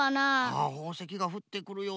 あっほうせきがふってくるようにか。